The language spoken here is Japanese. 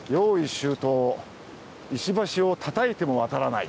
周到石橋をたたいても渡らない！